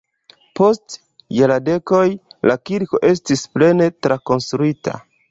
Post jardekoj la kirko estis plene trakonstruita.